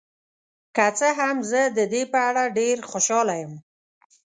که څه هم، زه د دې په اړه ډیر خوشحاله یم.